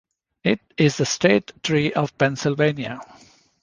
It is the state tree of Pennsylvania.